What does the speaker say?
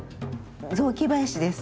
雑木林です